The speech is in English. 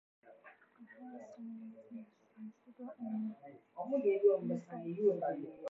The first signed artists were Sido and B-Tight.